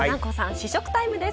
試食タイムです。